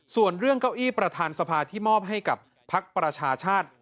ส่วนเรื่องเก้าอี้ประธานสภาที่มอบให้กับพักประชาชาติ